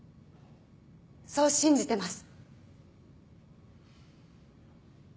そう信じてます。